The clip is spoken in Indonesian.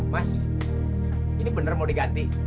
mas ini benar mau diganti